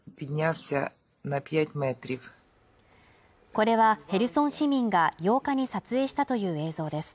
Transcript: これは、ヘルソン市民が８日に撮影したという映像です。